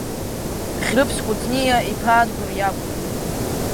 Хьрыԥс Кәыҵниа иԥа Адгәыр иакәын.